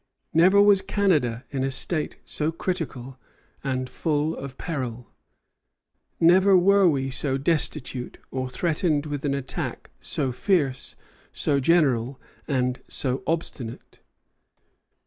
Never was Canada in a state so critical and full of peril. Never were we so destitute, or threatened with an attack so fierce, so general, and so obstinate.